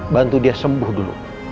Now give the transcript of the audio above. bantu dia sembuh dulu